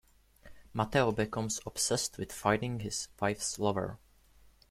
Mateo becomes obsessed with finding his wife's lover.